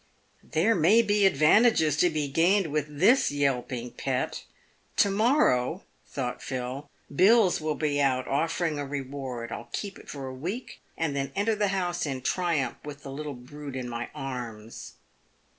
" There may be advantages to be gained with this yelping pet. To morrow," thought Phil, " bills will be out offering a reward. I'll keep it for a week, and then enter the house in triumph with the little brute in my arms."